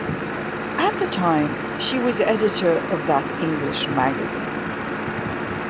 At the time, she was editor of that English magazine.